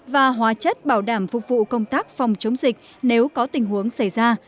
và hóa chất bảo đảm phục vụ công tác phòng chống dịch nếu có tình huống xảy ra